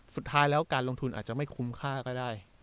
สุดท้ายแล้วการลงทุนอาจจะไม่คุ้มค่าก็ได้